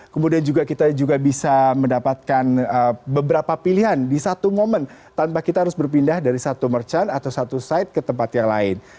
kemudian juga kita juga bisa mendapatkan beberapa pilihan di satu momen tanpa kita harus berpindah dari satu merchant atau satu site ke tempat yang lain